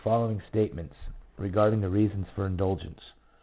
117 statements regarding reasons for indulgence.